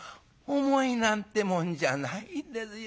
「重いなんてもんじゃないですよ。